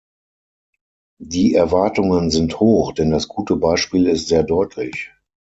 Die Erwartungen sind hoch, denn das gute Beispiel ist sehr deutlich.